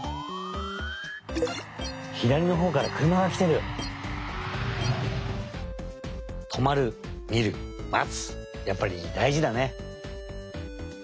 ひだりのほうからくるまがきてる！とまるみるまつやっぱりだいじだね。